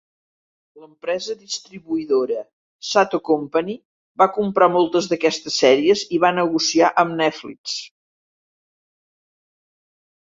L'empresa distribuïdora, Sato Company, va comprar moltes d'aquestes sèries i va negociar amb Netflix.